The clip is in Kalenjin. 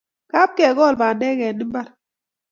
Kapkekol pandek eng' imbar